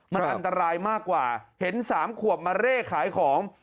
มันอันตรายมากกว่าเห็น๓ขวบมาเร่ขายของ